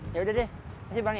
yaudah deh kasih bang ya